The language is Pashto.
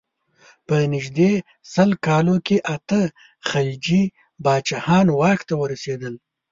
په نژدې سل کالو کې اته خلجي پاچاهان واک ته ورسېدل.